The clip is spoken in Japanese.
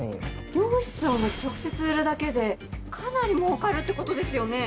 漁師さんが直接売るだけでかなり儲かるってことですよね？